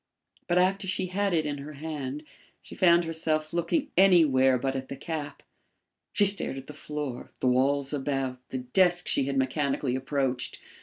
But after she had it in her hand she found herself looking anywhere but at the cap. She stared at the floor, the walls about, the desk she had mechanically approached.